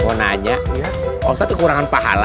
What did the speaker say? mau nanya omset kekurangan pahala